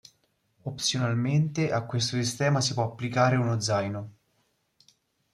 Opzionalmente, a questo sistema si può applicare uno zaino.